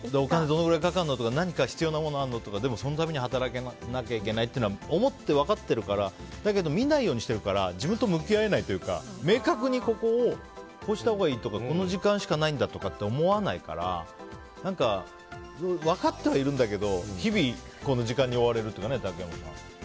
どのくらいかかるのとか何か必要なのあるのとかそのために働かないといけないと思って、分かってるからだけど見ないようにしてるから自分と向き合えないというか明確にここをこうしたほうがいいとかこの時間がないとか思わないから分かってはいるんだけど日々、時間に追われるというか。